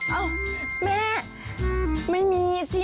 เอ้าแม่ไม่มีสิ